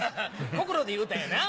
心で言うたんやな。